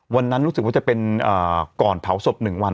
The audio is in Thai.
วันนั้นรู้สึกว่าจะเป็นอ่าก่อนเผาศพหนึ่งวัน